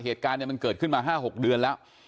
เหตุการณ์มันเกิดขึ้นมา๕๖เดือนแล้ว